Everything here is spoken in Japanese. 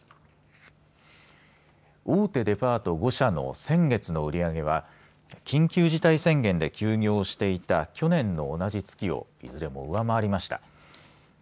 大手デパート５社の先月の売り上げは緊急事態宣言で休業していた去年の同じ月をいずれも上回りました。